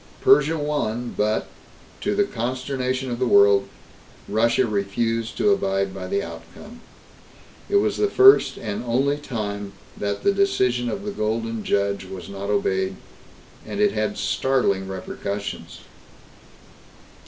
Persia won but, to the consternation of the world, Russia refused to abide by the outcome. It was the first and only time that the decision of the Golden Judge was not obeyed, and it had startling repercussions.